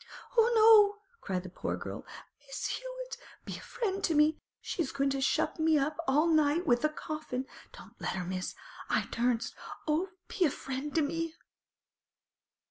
'Oh, no!' cried the poor girl. 'Miss Hewett! be a friend to me! She's goin' to shut me up all night with the coffin. Don't let her, miss! I durstn't! Oh, be a friend to me!